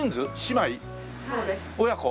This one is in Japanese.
親子？